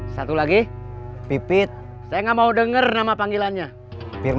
stand by di deket tukang sayur